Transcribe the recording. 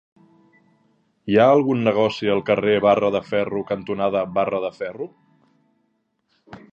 Hi ha algun negoci al carrer Barra de Ferro cantonada Barra de Ferro?